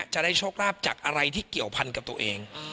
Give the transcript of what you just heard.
จะได้โชคลาภจากอะไรที่เกี่ยวพันกับตัวเอง